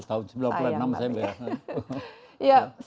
tahun seribu sembilan ratus sembilan puluh enam saya merayakan